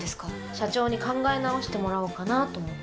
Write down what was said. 社長に考え直してもらおうかなと思って。